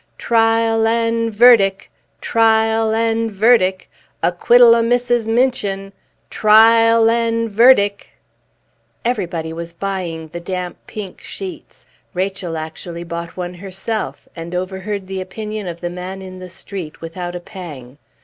"Trial an' verdic'! Trial an' verdic'! Acquittal o' Mrs. Minchin! Trial an' verdic'!" Everybody was buying the damp, pink sheets. Rachel actually bought one herself; and overheard the opinion of the man in the street without a pang.